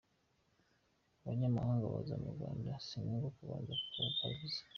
Abanyamahanga baza mu Rwanda si ngombwa kubanza kwaka viza.